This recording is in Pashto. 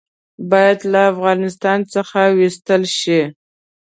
باید له افغانستان څخه وایستل شي.